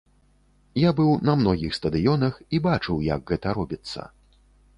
Я быў на многіх стадыёнах і бачыў, як гэта робіцца.